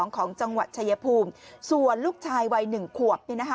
ของจังหวัดชายภูมิส่วนลูกชายวัย๑ขวบ